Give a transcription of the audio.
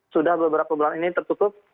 sudah beberapa bulan ini tertutup